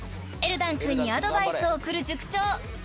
［エルダン君にアドバイスを送る塾長］